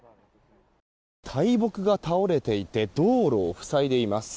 大木が倒れていて道路を塞いでいます。